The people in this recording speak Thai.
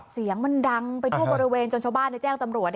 เสียงมันดังไปทั่วบริเวณจนชาวบ้านในแจ้งตำรวจ